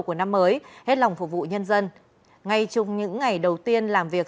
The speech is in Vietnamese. của năm mới hết lòng phục vụ nhân dân ngay trong những ngày đầu tiên làm việc